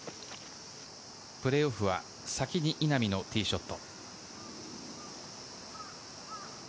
プレーオフは先に稲見のティーショット。